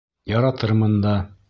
Яратырмын да.